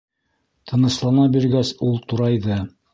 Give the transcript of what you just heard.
Тыныслана биргәс, ул турайҙы.